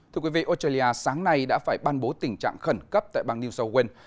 thưa quý vị australia sáng nay đã phải ban bố tình trạng khẩn cấp tại bang new south wales